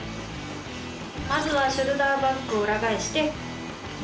まずはショルダーバッグを裏返して。